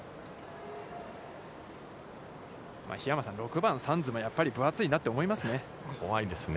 桧山さん、６番サンズもやっぱり分厚いなって思いますね。